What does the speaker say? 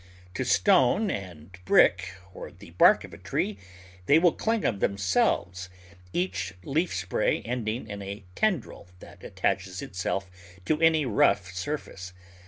To stone and brick, or the bark of a tree, they will cling of themselves, each leaf spray ending in a tendril that attaches itself to any rough surface.